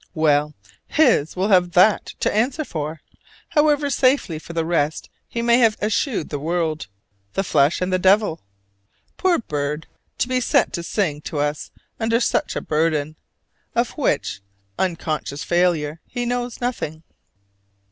Well, his will have that to answer for, however safely for the rest he may have eschewed the world, the flesh, and the devil. Poor bird, to be set to sing to us under such a burden: of which, unconscious failure, he knows nothing.